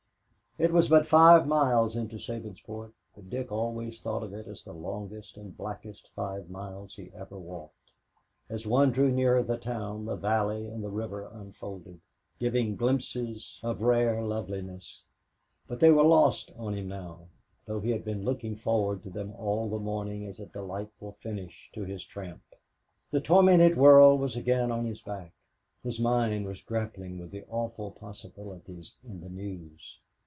It was but five miles into Sabinsport, but Dick always thought of it as the longest and blackest five miles he ever walked. As one drew nearer the town, the valley and the river unfolded, giving glimpses of rare loveliness, but they were lost on him now, though he had been looking forward to them all the morning as a delightful finish to his tramp. The tormented world was again on his back his mind was grappling with the awful possibilities in the news.